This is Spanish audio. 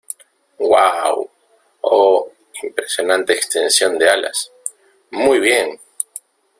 ¡ Uau! Oh, impresionante extensión de alas. ¡ muy bien !